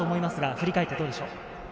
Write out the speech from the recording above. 振り返ってどうですか？